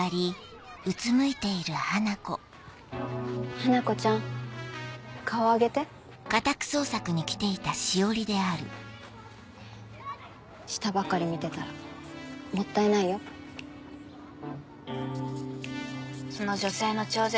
華子ちゃん顔上げて下ばかり見てたらもったいないよその女性の徴税